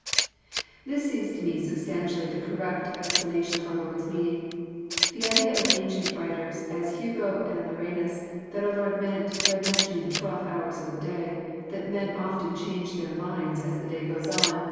This seems to me substantially the correct explanation^f our Lord's meaning. The idea of ancient writers, as Hugo and Ly ranas, that our Lord meant, by mentioning the twelve hours of the day, that men often change their minds as the day goes on.